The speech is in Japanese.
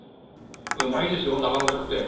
うまいですよ生臭くて。